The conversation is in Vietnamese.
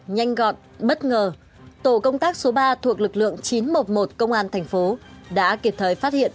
nhanh gọn bất ngờ tổ công tác số ba thuộc lực lượng chín trăm một mươi một công an thành phố đã kịp thời phát hiện